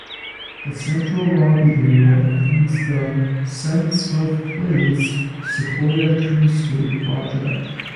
The central lobby area includes the "sense of place" Sequoia Treescape project.